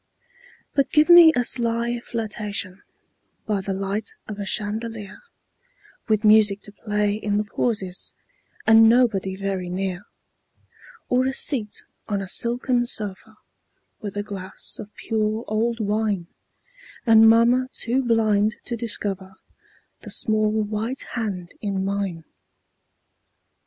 But give me a sly flirtation By the light of a chandelier With music to play in the pauses, And nobody very near; Or a seat on a silken sofa, With a glass of pure old wine, And mamma too blind to discover The small white hand in mine.